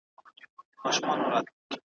شپه پخه پورته قمر سو